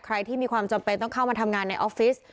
ใครที่มีความจำเป็นต้องเข้ามาทำงานในออฟฟิศ